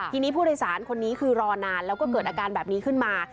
ทีนี้ผู้โดยสารคนนี้คือรอนานแล้วก็เกิดอาการแบบนี้ขึ้นมา